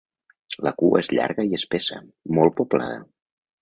La cua és llarga i espessa, molt poblada.